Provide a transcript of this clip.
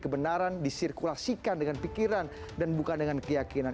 kebenaran disirkulasikan dengan pikiran dan bukan dengan keyakinan